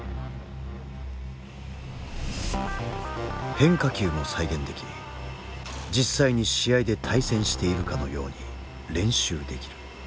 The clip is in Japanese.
変化球も再現でき実際に試合で対戦しているかのように練習できる。